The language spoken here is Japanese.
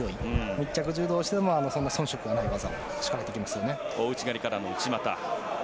密着柔道をしていても遜色のない技を大内刈りからの内股。